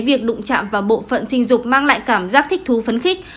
việc đụng chạm vào bộ phận sinh dục mang lại cảm giác thích thú phấn khích